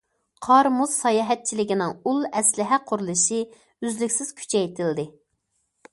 قار- مۇز ساياھەتچىلىكىنىڭ ئۇل ئەسلىھە قۇرۇلۇشى ئۈزلۈكسىز كۈچەيتىلدى.